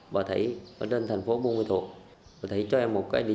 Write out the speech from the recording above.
khi lệ đến lấy ba trăm linh báo thuốc z nhập lậu